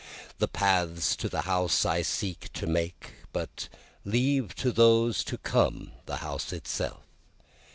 The paths to the house I seek to make, But leave to those to come the house itself.